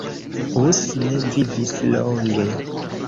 Hus ne vivis longe.